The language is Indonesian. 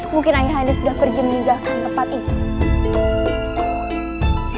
mungkin ayahanda sudah pergi meninggalkan tempat ini